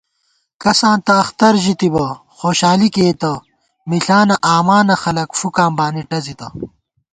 کساں تہ اختر ژِتِبہ خوشالی کېئیتہ مِݪانہ آمانہ خلَک فُکاں بانی ٹَزِتہ